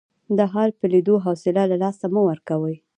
د حال په لیدو حوصله له لاسه مه ورکوئ.